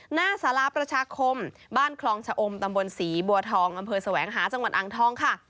หน้าสารประชาคมบ้านคลองเฉอมตำบลสีบัวทองบสวังหาจอังทอง